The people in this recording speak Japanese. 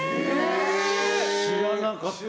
知らなかった。